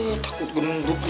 oh takut gembut nih